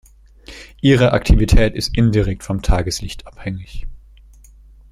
Ihre Aktivität ist indirekt vom Tageslicht abhängig.